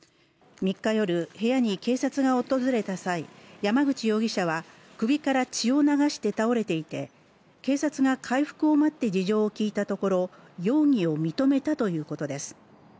３日夜、部屋に警察が訪れた際山口容疑者は首から血を流して倒れていて、警察が回復を待って事情を聞いたところ容疑を認めたということです。